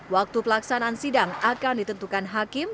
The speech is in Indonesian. waktu pelaksanaan sidang akan ditentukan hakim